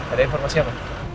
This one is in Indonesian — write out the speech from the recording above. ada informasi apa